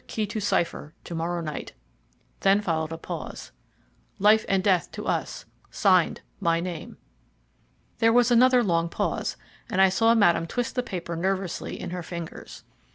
key to cipher...to morrow night." Then followed a pause. "Life and death to us... Signed ... My name." There was another long pause, and I saw Madame twist the paper nervously in her fingers.